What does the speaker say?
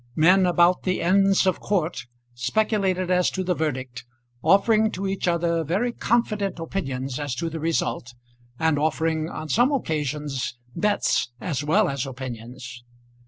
Men about the Inns of Court speculated as to the verdict, offering to each other very confident opinions as to the result, and offering, on some occasions, bets as well as opinions.